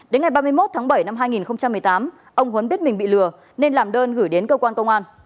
đến ngày ba mươi một tháng bảy năm hai nghìn một mươi tám ông huấn biết mình bị lừa nên làm đơn gửi đến cơ quan công an